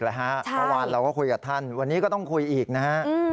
เมื่อวานเราก็คุยกับท่านวันนี้ก็ต้องคุยอีกนะฮะ